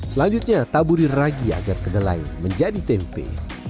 selanjutnya taburi ragi agar kedelai menjadi tempe